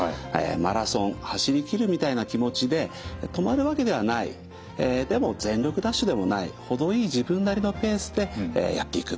マラソン走り切るみたいな気持ちで止まるわけではないでも全力ダッシュでもない程いい自分なりのペースでやっていく。